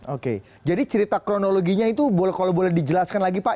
oke jadi cerita kronologinya itu kalau boleh dijelaskan lagi pak